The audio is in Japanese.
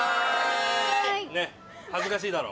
恥ずかしいだろ？